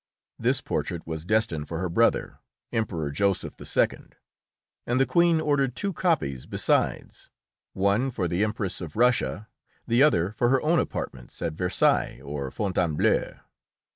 This portrait was destined for her brother, Emperor Joseph II., and the Queen ordered two copies besides one for the Empress of Russia, the other for her own apartments at Versailles or Fontainebleau.